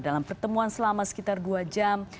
dalam pertemuan selama sekitar dua jam